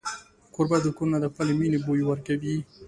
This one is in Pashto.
کوربه د کور نه د خپلې مینې بوی ورکوي.